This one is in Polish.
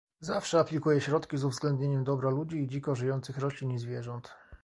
Zawsze aplikuję środki z uwzględnieniem dobra ludzi i dzikożyjących roślin i zwierząt